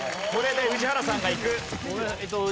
これで宇治原さんがいく。